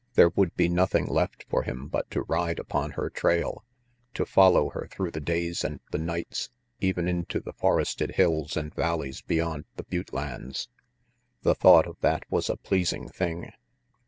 There would be nothing left for him but to ride upon her trail, to follow her through the days and the nights, even into the forested hills and valleys beyond the butte lands. The thought of that was a pleasing thing.